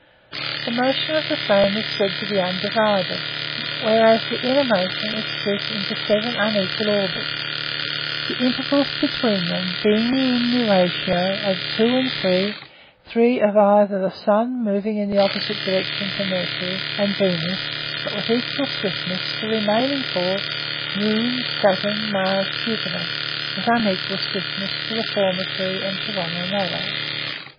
The motion of the same is said to be undivided, whereas the inner motion is split into seven unequal orbits—the intervals between them being in the ratio of two and three, three of either:—the Sun, moving in the opposite direction to Mercury and Venus, but with equal swiftness; the remaining four, Moon, Saturn, Mars, Jupiter, with unequal swiftness to the former three and to one another.